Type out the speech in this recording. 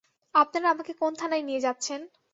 আপনারা আমাকে কোন থানায় নিয়ে যাচ্ছেন?